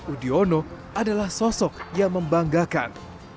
udiono adalah sosok yang membanggakan